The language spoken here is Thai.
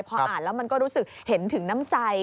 พออ่านแล้วมันก็รู้สึกเห็นถึงน้ำใจ